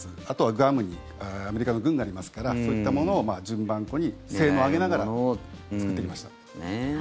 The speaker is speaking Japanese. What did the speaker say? あとはグアムにアメリカの軍がありますからそういったものを順番こに性能を上げながら作ってきました。